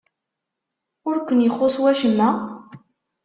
Ur ken-ixuṣṣ wacemma?